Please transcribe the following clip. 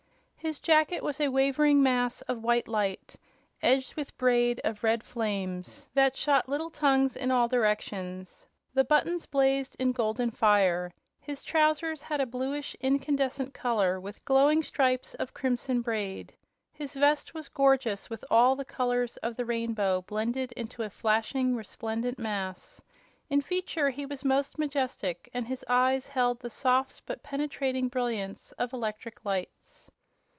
His jacket was a wavering mass of white light, edged with braid of red flames that shot little tongues in all directions. The buttons blazed in golden fire. His trousers had a bluish, incandescent color, with glowing stripes of crimson braid. His vest was gorgeous with all the colors of the rainbow blended into a flashing, resplendent mass. In feature he was most majestic, and his eyes held the soft but penetrating brilliance of electric lights.